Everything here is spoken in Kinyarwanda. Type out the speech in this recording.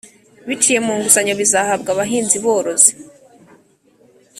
biciye mu nguzanyo zizahabwa abahinzi borozi.